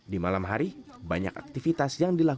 di malam hari banyak aktivitas yang dilakukan